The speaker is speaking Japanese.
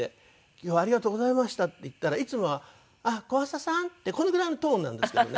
「今日はありがとうございました」って言ったらいつもは「あっ小朝さん？」ってこのぐらいのトーンなんですけどね